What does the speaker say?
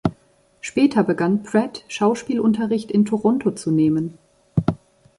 Später begann Pratt Schauspielunterricht in Toronto zu nehmen.